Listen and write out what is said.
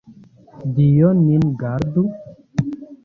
Dio nin gardu!